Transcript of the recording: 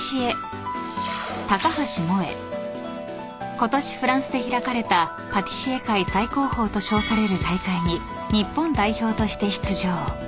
［今年フランスで開かれたパティシエ界最高峰と称される大会に日本代表として出場］